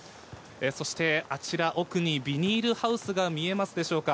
そして、あちら奥にビニールハウスが見えますでしょうか。